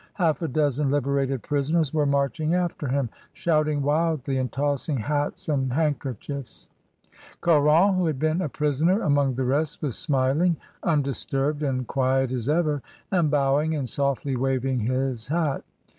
Half a dozen liberated prisoners were marching after him, shouting wildly and tossing hats and handkerchiefs. Caron, who had been a prisoner among the rest, was smiling, undisturbed and quiet as ever, and bowing and softly waving his hat.